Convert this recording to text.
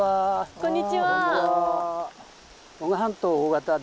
こんにちは。